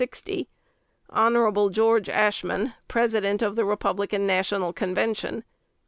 Hon. George Ashmun, President of the Republican National Convention.